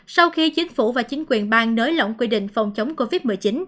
sau khi chính phủ và chính quyền bang nới lỏng quy định phòng chống covid một mươi chín